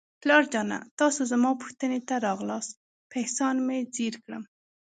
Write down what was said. پلار جانه، تاسو زما پوښتنې ته راغلاست، په احسان مې زیر کړم.